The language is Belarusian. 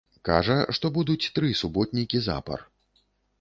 Кажа, што будуць тры суботнікі запар.